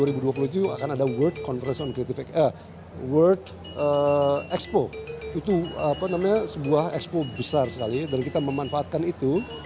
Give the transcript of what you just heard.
ini karena ini adalah world expo itu apa namanya sebuah expo besar sekali dan kita memanfaatkan itu